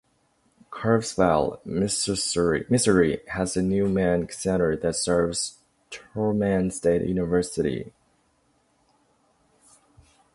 Kirksville, Missouri has a Newman Center that serves Truman State University.